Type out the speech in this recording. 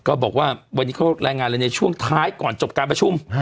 ก็บอกว่าวันนี้เขารายงานเลยในช่วงท้ายก่อนจบการประชุม